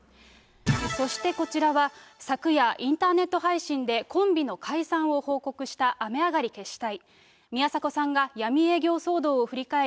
そしてこちらは、昨夜、インターネット配信で、コンビの解散を報告した雨上がり決死隊。